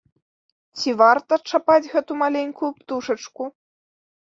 Ці варта чапаць гэту маленькую птушачку?